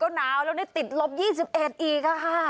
๒๑ก็น้ำแล้วในติดลบ๒๑อีกค่ะค่ะ